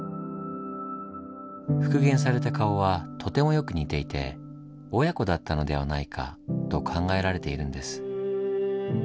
復元された顔はとてもよく似ていて親子だったのではないかと考えられているんです。